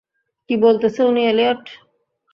কি বলতেছে উনি এলিয়ট?